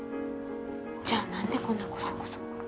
じゃあ何でこんなコソコソ。